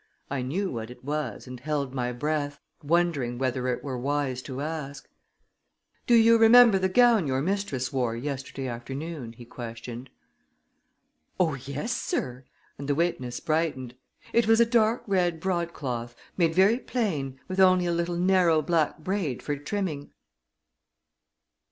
I knew what it was, and held my breath, wondering whether it were wise to ask it. "Do you remember the gown your mistress wore yesterday afternoon?" he questioned. "Oh, yes, sir," and the witness brightened. "It was a dark red broadcloth, made very plain, with only a little narrow black braid for trimming."